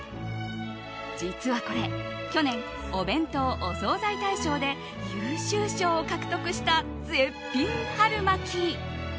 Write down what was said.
実はこれ、去年お弁当・お惣菜大賞で優秀賞を獲得した絶品春巻き。